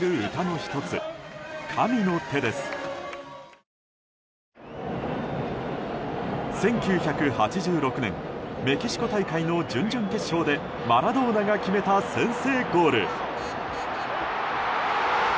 １９８６年メキシコ大会の準々決勝でマラドーナが決めた先制ゴール。